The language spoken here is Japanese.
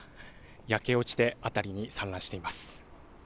焼け落ちて辺りに散乱しています。